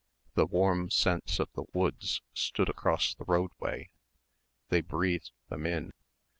The warm scents of the woods stood across the roadway. They breathed them in.